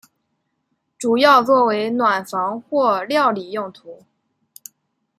主要作为暖房或料理用途。